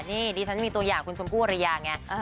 นี่ที่ฉันมีตัวอย่างชมนี่หมดพูดอะไรอย่างเนี้ย